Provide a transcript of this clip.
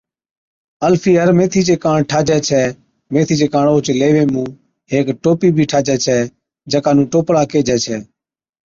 الفِي ھر ميٿِي چي ڪاڻ ٺاھجَي ڇَي۔ ميٿي چي ڪاڻ اوھچ ليوي مُون ھيڪ ٽوپِي بِي ٺاھجي ڇَي جڪا نُون ٽوپلا ڪيھجَي ڇَي